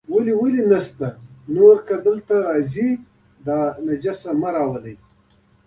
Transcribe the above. ولې ولې نشته، نور که دلته راځئ، دا نجس مه راولئ.